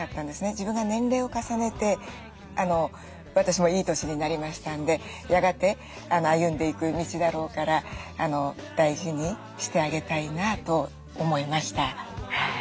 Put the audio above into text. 自分が年齢を重ねて私もいい年になりましたんでやがて歩んでいく道だろうから大事にしてあげたいなと思いました。